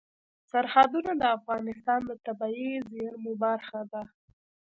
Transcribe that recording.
سرحدونه د افغانستان د طبیعي زیرمو برخه ده.